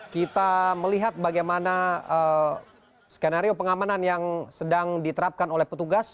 kita melihat bagaimana skenario pengamanan yang sedang diterapkan oleh petugas